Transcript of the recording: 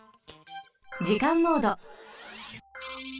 じかんモード。